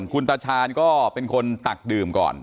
คุณตาชาญก็เป็นคนตักดื่มก่อน